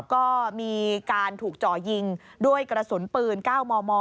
ก็มีการถูกจ่อยิงด้วยกระสุนปืน๙มม